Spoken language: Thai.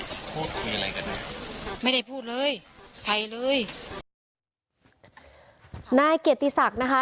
พูดคุยอะไรกันไม่ได้พูดเลยใครเลยนายเกียรติศักดิ์นะคะ